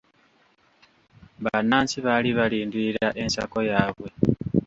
Bannansi baali balindirira ensako yaabwe.